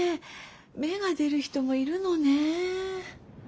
芽が出る人もいるのね。